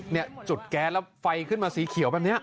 จุดแก๊สแล้วไฟขึ้นมาสีเขียวแบบนี้